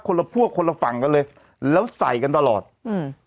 ละพวกคนละฝั่งกันเลยแล้วใส่กันตลอดอืม